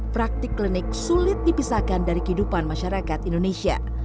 praktik klinik sulit dipisahkan dari kehidupan masyarakat indonesia